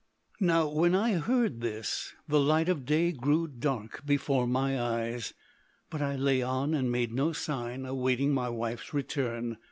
] "Now when I heard this the light of day grew dark before my eyes; but I lay on and made no sign, awaiting my wife's return.